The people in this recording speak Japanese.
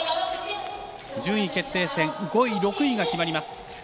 順位決定戦、５位、６位が決まります。